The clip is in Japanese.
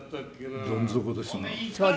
『どん底』ですな。